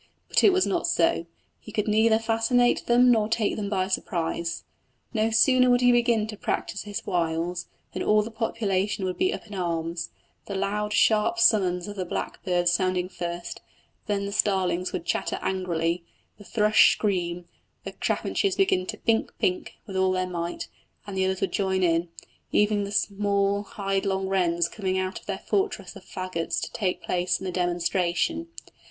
But it was not so: he could neither fascinate nor take them by surprise. No sooner would he begin to practise his wiles than all the population would be up in arms the loud, sharp summons of the blackbird sounding first; then the starlings would chatter angrily, the thrush scream, the chaffinches begin to pink pink with all their might, and the others would join in, even the small hideling wrens coming out of their fortress of faggots to take part in the demonstration.